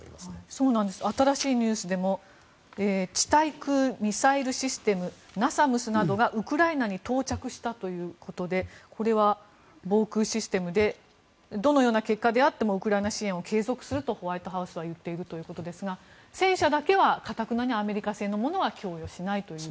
そうなんです新しいニュースでも地対空ミサイルシステム・ＮＡＳＡＭＳなどがウクライナに到着したということでこれは防空システムでどのような結果であってもウクライナ支援を継続するとホワイトハウスは言っているということですが戦車だけは頑なにアメリカ製のものは供与しないという。